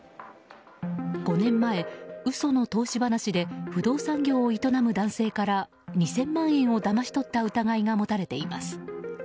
５年前、嘘の投資話で不動産業を営む男性から２０００万円をだまし取った疑いが持たれています。